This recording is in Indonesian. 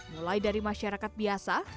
mulai dari masyarakat biasa